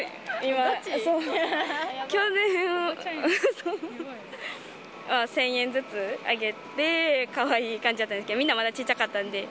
去年は１０００円ずつあげて、かわいい感じだったんですけど、みんな、まだ小っちゃかったんで。